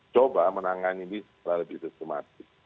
coba menangani bisnis tersebut